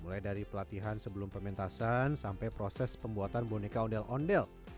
mulai dari pelatihan sebelum pementasan sampai proses pembuatan boneka ondel ondel